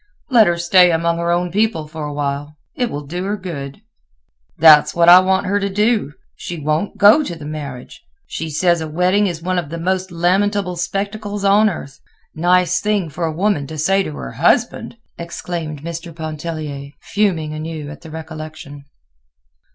"Let her stay among her own people for a while; it will do her good." "That's what I want her to do. She won't go to the marriage. She says a wedding is one of the most lamentable spectacles on earth. Nice thing for a woman to say to her husband!" exclaimed Mr. Pontellier, fuming anew at the recollection.